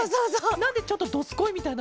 なんでちょっと「どすこい！」みたいな。